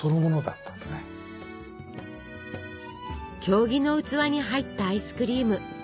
経木の器に入ったアイスクリーム。